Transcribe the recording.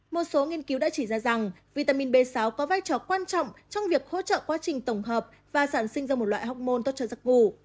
một số nghiên cứu đã chỉ ra rằng vitamin b sáu có vai trò quan trọng trong việc hỗ trợ quá trình tổng hợp và sản sinh ra một loại hóc môn tốt cho giặc vụ